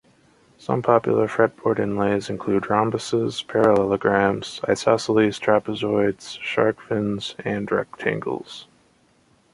Some popular fretboard inlays include rhombuses, parallelograms, isosceles trapezoids, shark fins and rectangles.